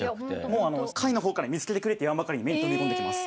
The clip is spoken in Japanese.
もう貝の方から見付けてくれって言わんばかりに目に飛び込んできます。